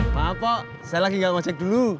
pak apo saya lagi gak mau cek dulu